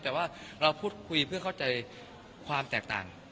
แต่ว่าเราพูดคุยเพื่อเข้าใจความแตกต่าง